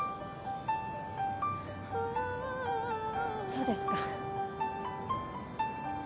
そうですか。